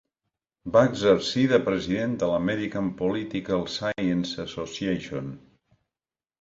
Va exercir de president de l'American Political Science Association.